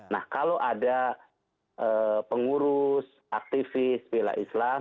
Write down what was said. nah kalau ada pengurus aktivis bela islam